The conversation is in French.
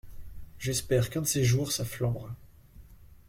J’espère qu’un de ces jours ça flambera.